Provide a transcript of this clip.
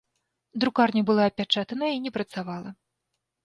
Друкарня была апячатаная і не працавала.